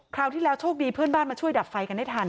ราวที่แล้วโชคดีเพื่อนบ้านมาช่วยดับไฟกันได้ทัน